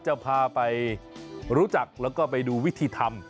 จะพาไปรู้จักแล้วก็ไปดูวิธีทำ